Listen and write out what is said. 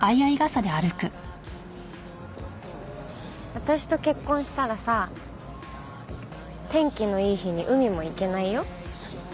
私と結婚したらさ天気のいい日に海も行けないよ。